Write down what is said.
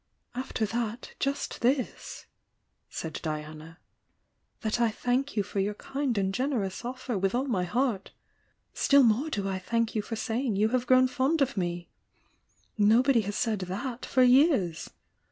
"After that, just this," said Diana. "That I thank you for your kind and generous offer with all my heart! Still more do I thank you for saying you have grown fond of me! Nobody has said that for years!